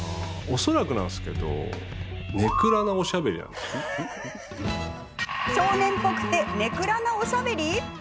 恐らくなんですけど少年っぽくて根暗なおしゃべり？